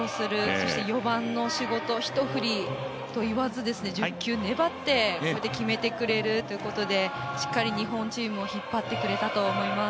そして４番の仕事、一振りといわず１０球粘って決めてくれるということでしっかり日本チームを引っ張ってくれたと思います。